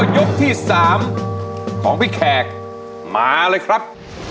ยกที่๓ของพี่แขกมาเลยครับ